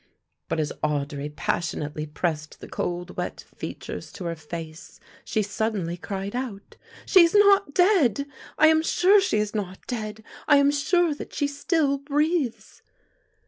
But as Audry passionately pressed the cold wet features to her face, she suddenly cried out, "She is not dead. I am sure she is not dead, I am sure that she still breathes."